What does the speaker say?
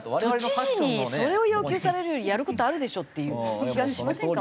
都知事にそれを要求されるよりやる事あるでしょっていう気がしませんか？